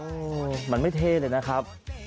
อืมมันไม่เทเลยนะครับ